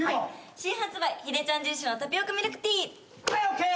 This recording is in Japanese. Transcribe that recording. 「新発売ヒデちゃん印のタピオカミルクティー」はいＯＫ。